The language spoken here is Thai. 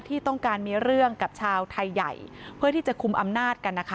ที่ต้องการมีเรื่องกับชาวไทยใหญ่เพื่อที่จะคุมอำนาจกันนะคะ